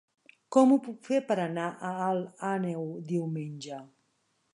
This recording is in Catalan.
Com ho puc fer per anar a Alt Àneu diumenge?